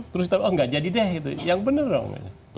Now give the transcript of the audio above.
terus kita bilang oh nggak jadi deh yang bener dong